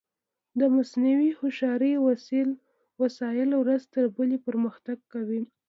د مصنوعي هوښیارۍ وسایل ورځ تر بلې پرمختګ کوي.